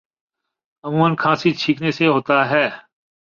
عموماً کھانسی اور چھینکنے سے ہوتا ہے